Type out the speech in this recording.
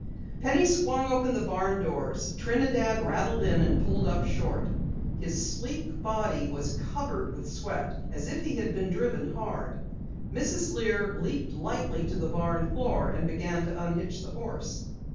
Penny swung open the barn doors. Trinidad rattled in and pulled up short. His sleek body was covered with sweat as if he had been driven hard. Mrs. Lear leaped lightly to the barn floor and began to unhitch the horse.